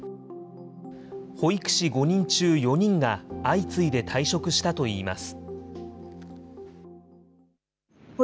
保育士５人中４人が相次いで退職したといいます。